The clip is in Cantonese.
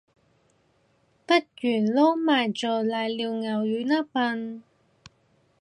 不如撈埋做瀨尿牛丸吖笨